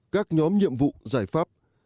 bốn các nhóm nhiệm vụ giải pháp